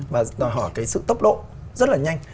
và đòi hỏi cái sự tốc độ rất là nhanh